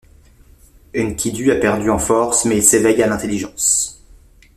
Enkidu a perdu en force mais il s'éveille à l'intelligence.